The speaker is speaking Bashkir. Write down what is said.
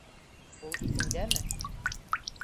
Ул иҫендәме?